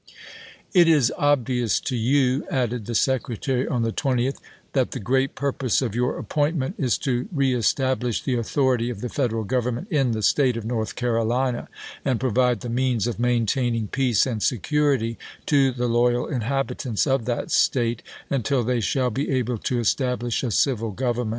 " It is obvious to you," added the Secretary on the 20th, " that the great purpose of your appointment is to reestablish the authority of the Federal Gov ernment in the State of North Carolina, and pro vide the means of maintaining peace and security to the loyal inhabitants of that State, until they shall be able to establish a civil government."